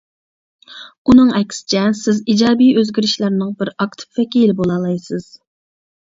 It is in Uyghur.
ئۇنىڭ ئەكسىچە، سىز ئىجابىي ئۆزگىرىشلەرنىڭ بىر ئاكتىپ ۋەكىلى بولالايسىز.